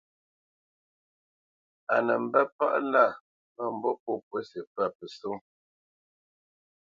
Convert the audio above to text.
Á nə mbə̄ palá mə̂mbû pô pǔsi pə́ pəsó.